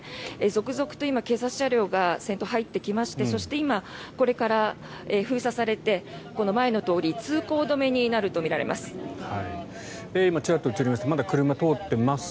続々と今、警察車両が先頭、入ってきましてそして今、これから封鎖されて前の通り通行止めになるとみられます。